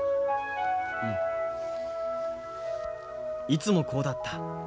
いつもこうだった。